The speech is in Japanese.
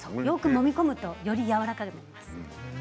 よく練り込むとよりやわらかくなります。